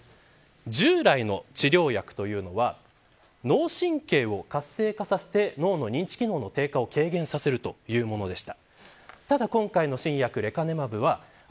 従来の治療薬というのは脳神経を活性化させて脳の認知機能の低下を軽減させるというものでした。